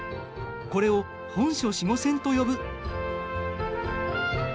これを本初子午線と呼ぶ。